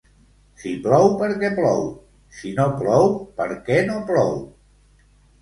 Si plou, perquè plou; si no plou, perquè no plou.